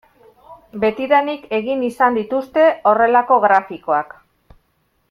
Betidanik egin izan dituzte horrelako grafikoak.